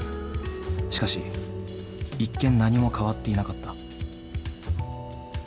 しかし一見何も変わっていなかった。